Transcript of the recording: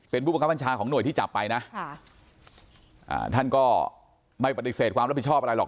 เป็นผู้บังคับบัญชาของหน่วยที่จับไปนะท่านก็ไม่ปฏิเสธความรับผิดชอบอะไรหรอก